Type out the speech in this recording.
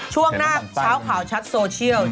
ช่วงหน้าเช้าข่าวชัดโซเชียล